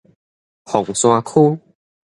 鳳山區